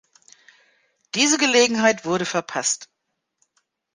Diese Gelegenheit wurde verpasst!